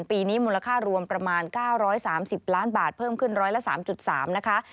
ปีนี้มูลค่ารวมประมาณ๙๓๐ล้านบาทเพิ่มขึ้นร้อยละ๓๓นะคะ